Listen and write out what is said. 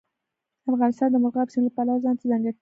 افغانستان د مورغاب سیند له پلوه ځانته ځانګړتیا لري.